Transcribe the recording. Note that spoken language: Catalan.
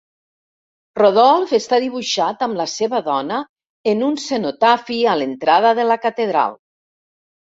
Rodolf està dibuixat amb la seva dona en un cenotafi a l'entrada de la catedral.